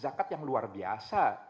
zakat yang luar biasa